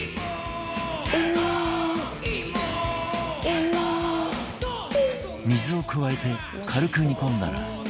「イモ」水を加えて軽く煮込んだら